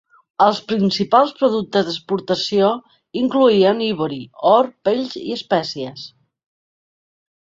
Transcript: Els principals productes d'exportació incloïen ivori, or, pells i espècies.